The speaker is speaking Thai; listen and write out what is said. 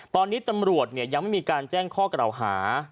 ตอนนี้ตำรวจยังไม่มีการแจ้งข้อกล่าวหา